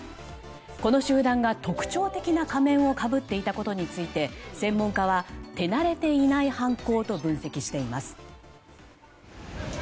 この集団が特徴的な仮面をかぶっていたことについて専門家は手慣れていない犯行と分析しています。